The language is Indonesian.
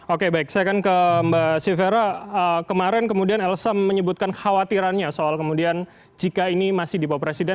oke baik saya akan ke mbak syevera kemarin kemudian elsa menyebut kekhawatirannya soal kemudian jika ini masih di bawah presiden